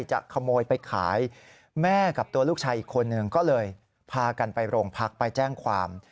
จะขโมยไปขายแม่กับตัวลูกชายอีกคนหนึ่งก็เลยพากันไปโรงพักไปแจ้งความ